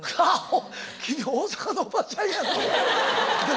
君大阪のおばちゃんやな！